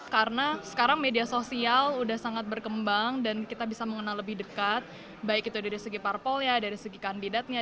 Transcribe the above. karena sekarang media sosial udah sangat berkembang dan kita bisa mengenal lebih dekat baik itu dari segi parpol ya dari segi kandidatnya